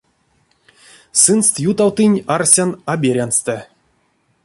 Сынст ютавтынь, арсян, а беряньстэ.